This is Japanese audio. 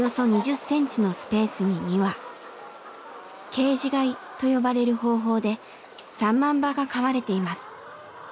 「ケージ飼い」と呼ばれる方法で３万羽が飼われています。